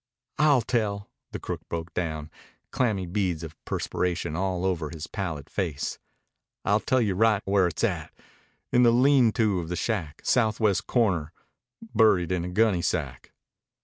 "I'll tell!" The crook broke down, clammy beads of perspiration all over his pallid face. "I'll tell you right where it's at. In the lean to of the shack. Southwest corner. Buried in a gunnysack."